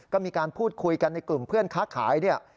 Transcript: ก็มีการพูดคุยกันในกลุ่มเพื่อนค้าขายเนี่ย